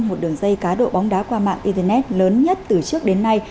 một đường dây cá độ bóng đá qua mạng internet lớn nhất từ trước đến nay